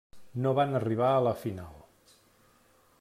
No van arribar a la final.